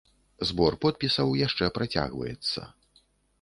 Збор подпісаў яшчэ працягваецца.